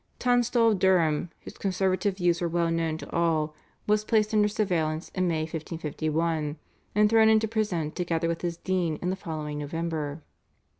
Tunstall of Durham, whose conservative views were well known to all, was placed under surveillance in May 1551, and thrown into prison together with his dean in the following November.